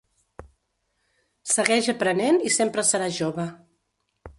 Segueix aprenent i sempre seràs jove.